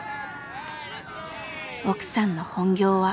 奥さんの本業は。